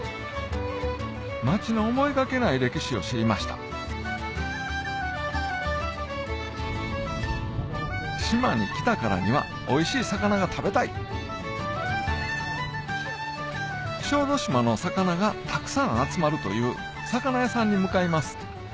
町の思いがけない歴史を知りました島に来たからにはおいしい魚が食べたい小豆島の魚がたくさん集まるという魚屋さんに向かいます